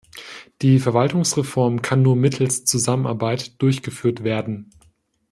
Die Verwaltungsreform kann nur mittels Zusammenarbeit durchgeführt werden.